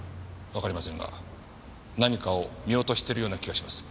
わかりませんが何かを見落としてるような気がします。